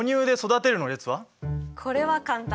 これは簡単。